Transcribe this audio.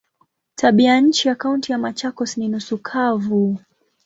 Tabianchi ya Kaunti ya Machakos ni nusu kavu.